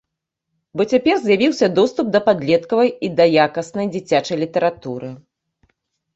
Бо цяпер з'явіўся доступ да падлеткавай і да якаснай дзіцячай літаратуры.